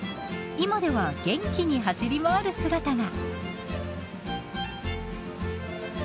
今では元気に走り回る姿が。